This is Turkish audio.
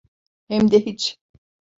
Hem de hiç.